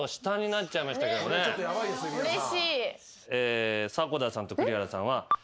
うれしい。